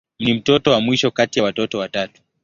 Ni mtoto wa mwisho kati ya watoto watatu.